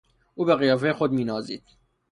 او به قیافهی خود مینازید.